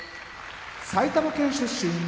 埼玉県出身